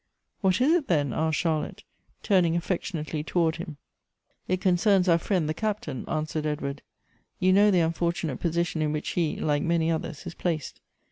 " What is it, then ?" asked Charlotte, turning affection ately towards him. " It concerns our friend the Captain," answered Ed ward; "you know the unfortunate position in which he, like many others, is placed.